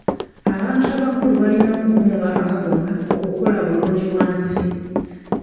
Abantu abakulu balina okukunga amaka gonna okukola bulungibwansi.